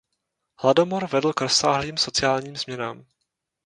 Hladomor vedl k rozsáhlým sociálním změnám.